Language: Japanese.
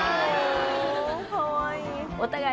かわいい。